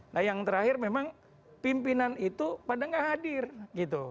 nah yang terakhir memang pimpinan itu pada nggak hadir gitu